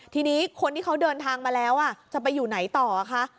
ทีนี้คนที่เขาเดินทางมาแล้วจะไปอยู่ไหนต่อคะ